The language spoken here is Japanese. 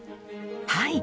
はい。